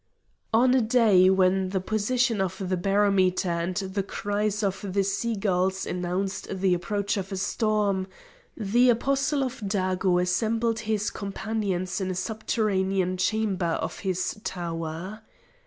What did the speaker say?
On a day when the position of the barometer and the cries of the sea gulls announced the approach of a storm, the Apostle of Dago assembled his companions in a subterranean chamber of his tower.